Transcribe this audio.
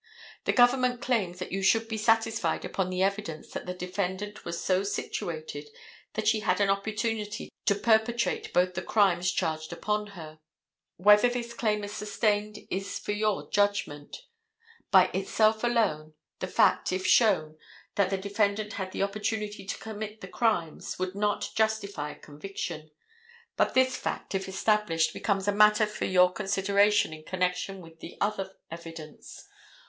The government claims that you should be satisfied upon the evidence that the defendant was so situated that she had an opportunity to perpetrate both the crimes charged upon her. Whether this claim is sustained is for your judgment. By itself alone, the fact, if shown, that the defendant had the opportunity to commit the crimes, would not justify a conviction; but this fact, if established, becomes a matter for your consideration in connection with the other evidence.